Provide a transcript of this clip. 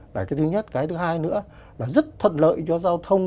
và thứ nhất thứ hai nữa là rất thuận lợi cho giao thông